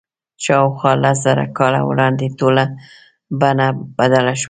شاوخوا لس زره کاله وړاندې ټوله بڼه بدله شوه.